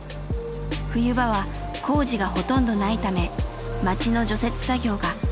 冬場は工事がほとんどないため町の除雪作業が主な仕事です。